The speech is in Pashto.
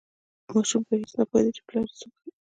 ماشوم په هیڅ نه پوهیده چې پلار یې څوک دی.